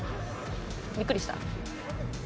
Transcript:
びっくりした？